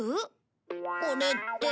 これって。